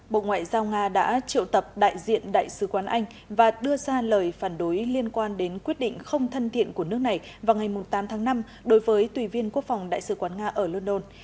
bộ ngoại giao nga đã triệu tập đại diện đại sứ quán anh và đưa ra lời phản đối liên quan đến quyết định không thân thiện của nước này vào ngày tám tháng năm đối với tùy viên quốc phòng đại sứ quán nga ở london